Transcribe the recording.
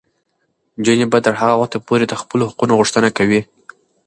نجونې به تر هغه وخته پورې د خپلو حقونو غوښتنه کوي.